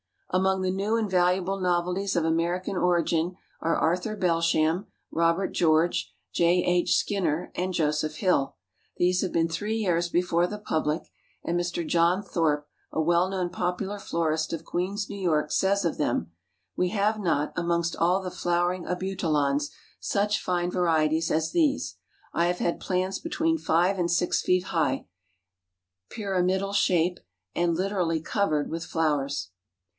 _ Among the new and valuable novelties of American origin are Arthur Belsham, Robert George, J. H. Skinner, and Joseph Hill. These have been three years before the public, and Mr. John Thorp, a well known popular florist of Queens, N. Y., says of them, "We have not, amongst all the flowering Abutilons, such fine varieties as these. I have had plants between five and six feet high, pyramidal shape and literally covered with flowers."